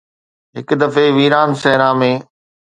هڪ دفعي ويران صحرا ۾